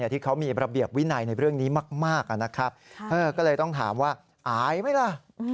ที่เขามีระเบียบวินัยในเรื่องนี้มากนะครับก็เลยต้องถามว่าอายไหมล่ะ